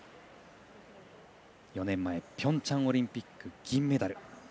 ４年前ピョンチャンオリンピック銀メダル。